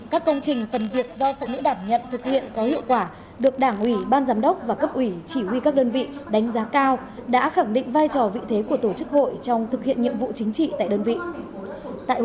các công trình phần việc do phụ nữ đảm nhận thực hiện có hiệu quả được đảng ủy ban giám đốc và cấp ủy chỉ huy các đơn vị đánh giá cao đã khẳng định vai trò vị thế của tổ chức hội trong thực hiện nhiệm vụ chính trị tại đơn vị